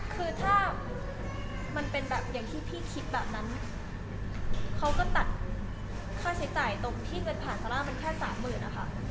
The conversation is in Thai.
คือถ้ามันเป็นแบบอย่างที่พี่คิดแบบนั้นเขาก็ตัดค่าใช้จ่ายตรงที่เงินผ่านซาร่ามันแค่สามหมื่นนะคะ